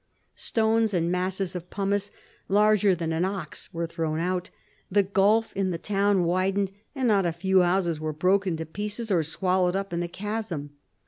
Stones and masses of pumice larger than an ox were thrown out. The gulf in the town widened, and not a few houses were broken to pieces, or swallowed up in the chasm.